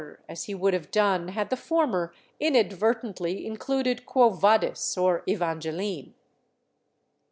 " as he would have done had the former inadvertently included " Quo Vadis " or "Evangeline."